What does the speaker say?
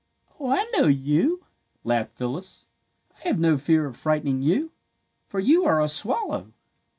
"Oh, I know you," laughed Phyllis. "I have no fear of frightening you, for you are a swallow.